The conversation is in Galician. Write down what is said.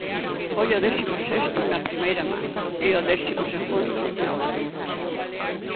Foi o décimo sexto na primeira manga e o décimo segundo na última.